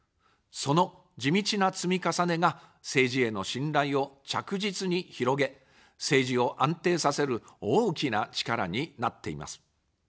その地道な積み重ねが政治への信頼を着実に広げ、政治を安定させる大きな力になっています。